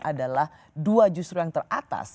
adalah dua justru yang teratas